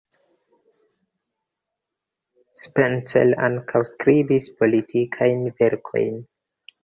Spencer ankaŭ skribis politikajn verkojn.